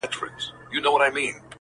ځكه ځوانان ورانوي ځكه يې زړگي ورانوي.